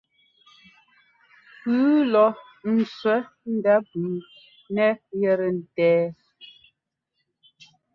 Pʉ́ʉ lɔ ńtsẅɛ́ ndá pʉ́ʉ nɛ yɛtɛ ńtɛ́.